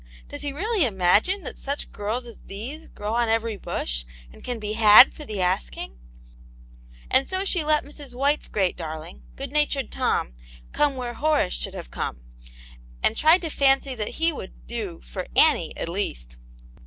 "Does he really imagine that such girls as these grow on every bush, and can be had for the asking?" And so she let Mrs. White's great darling, good natured Tom come where Horace should have come^ ^xvd Vxlsd to Aunt yane^s Hero. 69 fancy that hewould " do " for Annie, at least.